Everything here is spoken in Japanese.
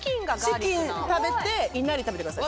チキン食べていなり食べてください。